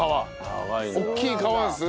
大きい川ですね。